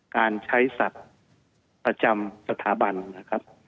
การใช้สัตว์ประจำสถาบันนะครับ